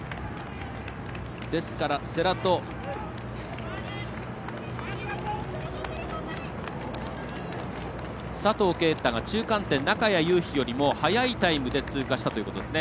ですから、世羅と佐藤圭汰が中谷雄飛よりも速いタイムで通過したということですね。